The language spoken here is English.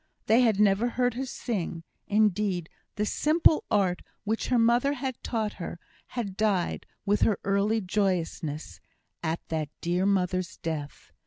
They had never heard her sing; indeed, the simple art which her mother had taught her, had died, with her early joyousness, at that dear mother's death.